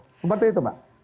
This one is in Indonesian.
kota seperti itu mbak